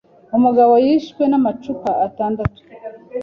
Umugabo yishwe n’amacupa atandatu